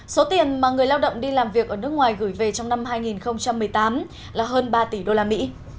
số tiền mà người lao động đi làm việc ở nước ngoài gửi về trong năm hai nghìn một mươi tám là hơn ba tỷ usd